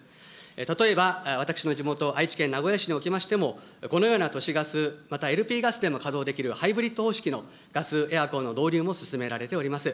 例えば、私の地元、愛知県名古屋市におきましても、このような都市ガス、またＬＰガスでも稼働できるハイブリッド方式のガスエアコンの導入も進められております。